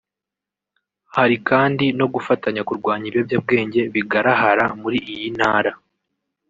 hari kandi no gufatanya kurwanya ibiyobyabwenge bigarahara muri iyi ntara